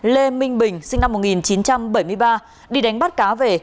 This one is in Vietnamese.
lê minh bình sinh năm một nghìn chín trăm bảy mươi ba đi đánh bắt cá về